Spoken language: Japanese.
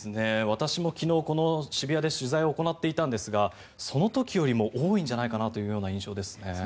私も昨日、この渋谷で取材を行っていたんですがその時よりも多いんじゃないかなという印象ですね。